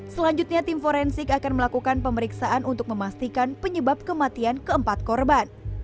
selanjutnya tim forensik akan melakukan pemeriksaan untuk memastikan penyebab kematian keempat korban